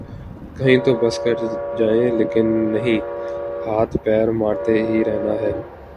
کہیں تو بس کر جائیں لیکن نہیں ‘ ہاتھ پیر مارتے ہی رہنا ہے۔